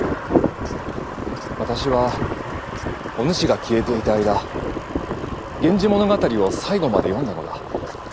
私はおぬしが消えていた間「源氏物語」を最後まで読んだのだ。